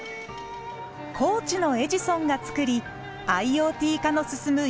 高知のエジソンがつくりＩｏＴ化の進む